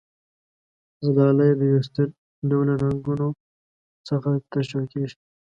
زلالیه د وېښته ډوله رګونو څخه ترشح کیږي.